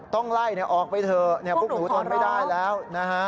ต้องไล่ออกไปเถอะพวกหนูทนไม่ได้แล้วนะฮะ